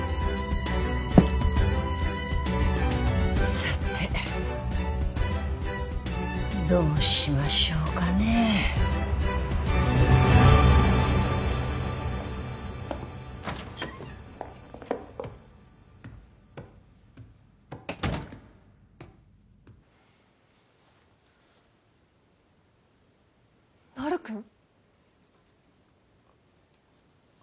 さてどうしましょうかねなるくん？